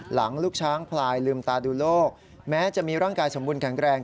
ลูกช้างพลายลืมตาดูโลกแม้จะมีร่างกายสมบูรณแข็งแรง